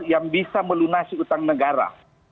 yang bisa melunasi utang negara